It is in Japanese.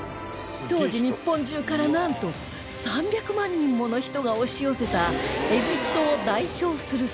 当時日本中からなんと３００万人もの人が押し寄せた